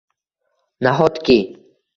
Nahotki!